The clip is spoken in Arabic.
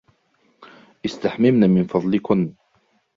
استحممن من فضلكن.